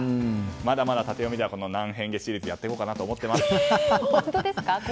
まだまだタテヨミでは何変化シリーズやっていこうかなと思ってます。